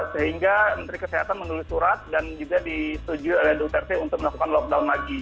sehingga menteri kesehatan menulis surat dan juga disetujui oleh duterte untuk melakukan lockdown lagi